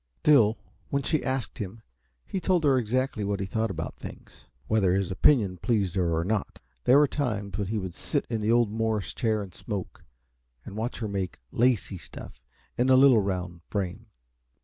Still, when she asked him, he told her exactly what he thought about things, whether his opinion pleased her or not. There were times when he would sit in the old Morris chair and smoke and watch her make lacey stuff in a little, round frame.